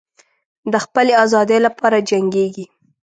د خپلې آزادۍ لپاره جنګیږي.